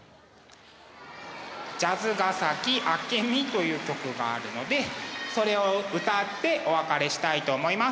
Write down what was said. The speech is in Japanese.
「ジャズヶ崎明美」という曲があるのでそれを歌ってお別れしたいと思います。